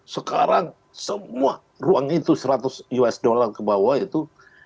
sekarang semua ruang itu seratus usd ke bawah itu